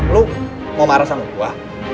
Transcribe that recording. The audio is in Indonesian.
lu mau marah sama gua